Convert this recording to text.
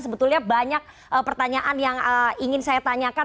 sebetulnya banyak pertanyaan yang ingin saya tanyakan